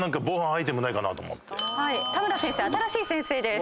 田村先生新しい先生です。